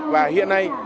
và hiện nay